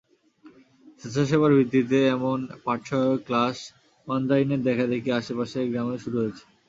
স্বেচ্ছাসেবার ভিত্তিতে এমন পাঠসহায়ক ক্লাস মান্দ্রাইনের দেখাদেখি আশপাশের গ্রামেও শুরু হয়েছে।